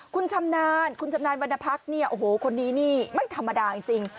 คุณชำนาญคุณชำนาญวรรณพักเนี่ยโอ้โหคนนี้นี่ไม่ธรรมดาจริง